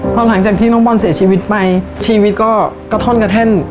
พอหลังจากที่น้องบอลเสียชีวิตไปชีวิตก็กระท่อนกระแท่น